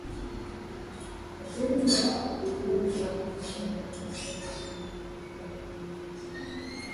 Kiprotestanti wa kutaka kila mmoja aweze kutafsiri Biblia alivyoielewa